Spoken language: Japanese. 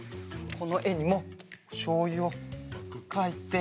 このえにもしょうゆをかいて。